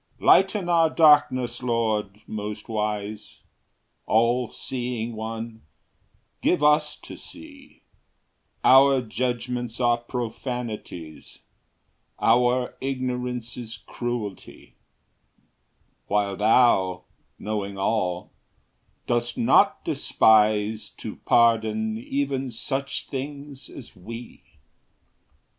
Lighten our darkness, Lord, most wise; All seeing One, give us to see; Our judgments are profanities, Our ignorance is cruelty, While Thou, knowing all, dost not despise To pardon even such things as we.